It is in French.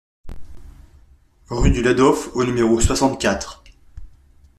Rue du Ladhof au numéro soixante-quatre